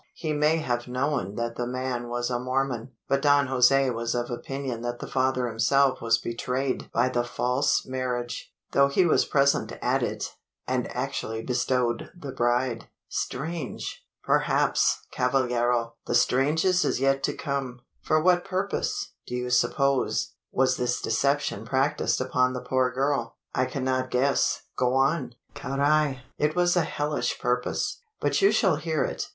He may have known that the man was a Mormon; but Don Jose was of opinion that the father himself was betrayed by the false marriage though he was present at it, and actually bestowed the bride!" "Strange!" "Perhaps, cavallero! the strangest is yet to come. For what purpose, do you suppose, was this deception practised upon the poor girl?" "I cannot guess go on!" "Carrai! it was a hellish purpose; but you shall hear it.